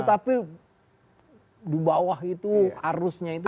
tapi di bawah itu arusnya itu